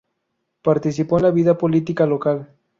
Participó en la vida política local.